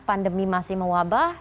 pandemi masih mewabah